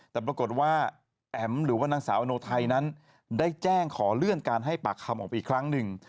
แต่ปรากฏว่าแอ๋มหรือว่านางสาวอโนไทยนั้นได้แจ้งขอเลื่อนการให้ปากคำออกไปอีกครั้งหนึ่ง